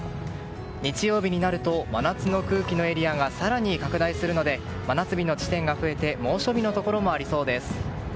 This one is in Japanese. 日曜日になると真夏の空気のエリアが更に拡大するので真夏日の地点が増えて猛暑日のところもありそうです。